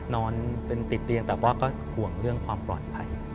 นอนเป็นติดเตียงแต่ว่าก็ห่วงเรื่องความปลอดภัย